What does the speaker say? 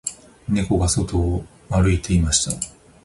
猫が外を歩いていました